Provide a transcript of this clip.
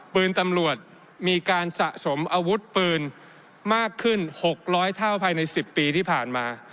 ปืนตำรวจมีการสะสมอาวุธปืนมากขึ้น๖๐๐เท่าภายใน๑๐ปีที่ผ่านมา